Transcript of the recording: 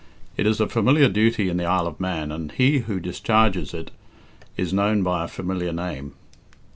It is a familiar duty in the Isle of Man, and he who discharges it is known by a familiar name.